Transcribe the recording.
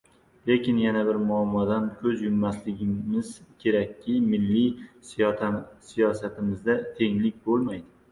Lekin yana bir muammodan ko‘z yummasligimiz kerakki, milliy siyosatimizda tenglik bo‘lmaydi.